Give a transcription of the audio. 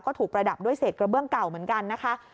ก็ถูกประดับด้วยเศษกระเบื้องเก่าเหมือนกันนะคะ